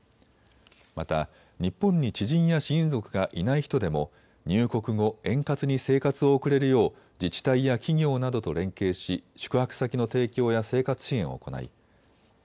また日本に知人や親族がいない人でも入国後、円滑に生活を送れるよう自治体や企業などと連携し宿泊先の提供や生活支援を行い